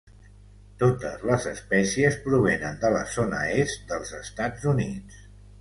Totes les espècies provenen de la zona est dels Estats Units.